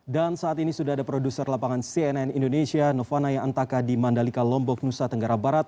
dan saat ini sudah ada produser lapangan cnn indonesia novanaya antaka di mandalika lombok nusa tenggara barat